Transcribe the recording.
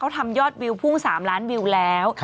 ทำยอดวิวพุ่ง๓ล้านวิวแล้ว